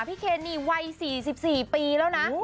พี่เคนนี่ขาดเท้า๖๔ปีแล้วนะ